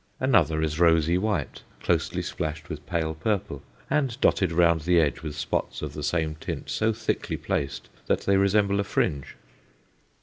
Another is rosy white, closely splashed with pale purple, and dotted round the edge with spots of the same tint so thickly placed that they resemble a fringe.